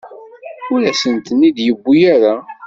Ur asen-ten-id-yewwi ara.